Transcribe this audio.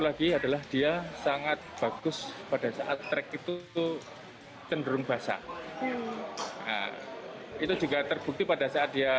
lagi adalah dia sangat bagus pada saat track itu cenderung basah itu juga terbukti pada saat dia